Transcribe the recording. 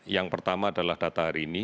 yang pertama adalah data hari ini